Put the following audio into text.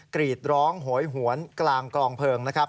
กรีดร้องโหยหวนกลางกล่องเผลิง